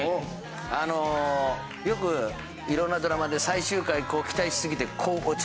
あのよく色んなドラマで最終回期待しすぎてこう落ちる。